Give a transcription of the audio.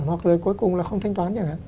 hoặc là cuối cùng là không thanh toán